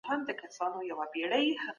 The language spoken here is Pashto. مینکه